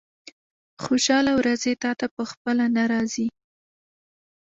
خوشاله ورځې تاته په خپله نه راځي.